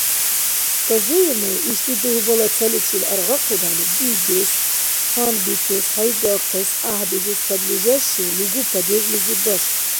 Сказуемое ишди дугьбала цаличил аргъахъибхӀели, — дигес, гьанбикес, хӀейгахъес, гӀяхӀбизес подлежащее лугу падежлизиб башар.